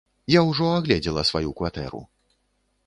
Я ўжо агледзела сваю кватэру.